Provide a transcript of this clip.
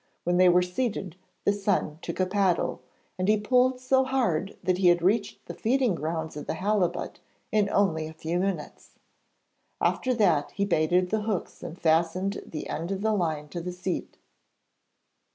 When they were seated the son took a paddle, and he pulled so hard that they had reached the feeding grounds of the halibut in only a few minutes. After that he baited the hooks and fastened the end of the line to the seat.